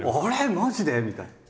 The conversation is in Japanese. マジで？みたいな。